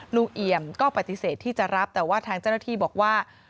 เอี่ยมก็ปฏิเสธที่จะรับแต่ว่าทางเจ้าหน้าที่บอกว่า